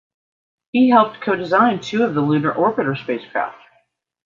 He helped co-design two of the Lunar Orbiter spacecraft.